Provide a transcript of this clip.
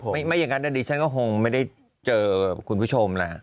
ไม่อย่างนั้นดิฉันก็คงไม่ได้เจอคุณผู้ชมแหละ